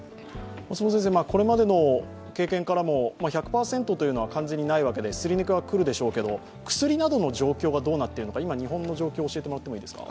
これまでの経験からも１００％というのは完全にないわけで、すり抜けは来るでしょうけど薬などの状況がどうなっているのか、今の日本の状況を教えてもらっていいですか？